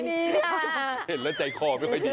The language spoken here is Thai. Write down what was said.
เห็นแล้วใจคอไม่ค่อยดี